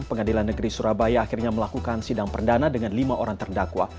pengadilan negeri surabaya akhirnya melakukan sidang perdana dengan lima orang terdakwa